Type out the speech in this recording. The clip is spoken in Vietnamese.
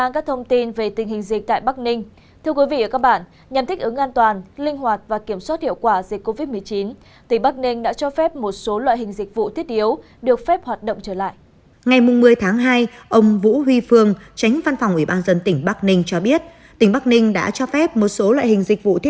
các bạn hãy đăng ký kênh để ủng hộ kênh của chúng mình nhé